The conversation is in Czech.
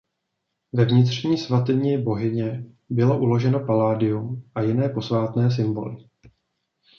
Ve vnitřní svatyni bohyně bylo uloženo palladium a jiné posvátné symboly.